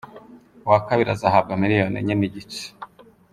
Uwa kabiri azahabwa miliyoni enye n’igice.